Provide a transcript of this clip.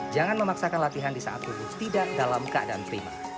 jangan memaksakan latihan di saat tubuh tidak dalam keadaan prima